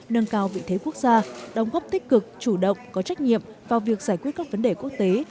nâng cao vị thế quốc gia đóng góp tích cực chủ động có trách nhiệm vào việc giải quyết các vấn đề quốc tế